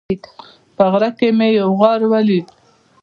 په غره کې مې یو غار ولید